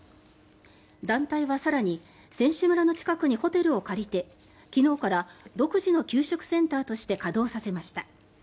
団体は更に選手村の近くにホテルを借りて昨日から独自の給食センターとして稼働させました。